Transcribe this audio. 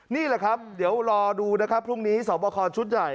นี่แหละครับเดี๋ยวรอดูนะครับพรุ่งนี้สอบคอชุดใหญ่